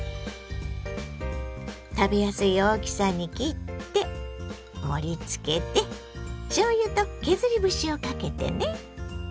食べやすい大きさに切って盛りつけてしょうゆと削り節をかけてね。